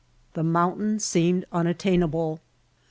The moun tain seemed unattainable.